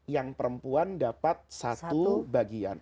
yang perempuan dapat satu bagian